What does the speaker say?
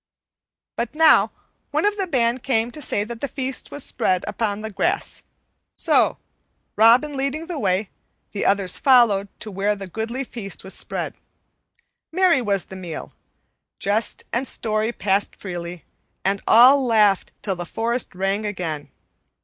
But now one of the band came to say that the feast was spread upon the grass; so, Robin leading the way, the others followed to where the goodly feast was spread. Merry was the meal. Jest and story passed freely, and all laughed till the forest rang again.